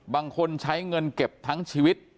บางคนใช้เงินเก็บทั้งชีวิต